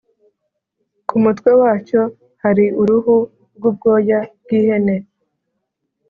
ku mutwe wacyo hari uruhu rw’ubwoya bw’ihene.